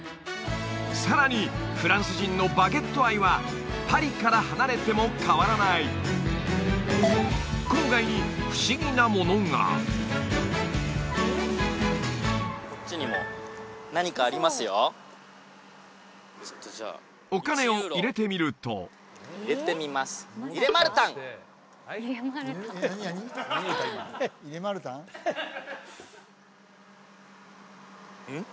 さらにフランス人のバゲット愛はパリから離れても変わらない郊外に不思議なものがこっちにもお金を入れてみると入れてみますんっ？